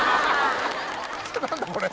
何だこれ。